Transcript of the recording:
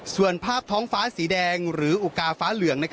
ส่วนภาพท้องฟ้าสีแดงหรืออุกาฟ้าเหลือง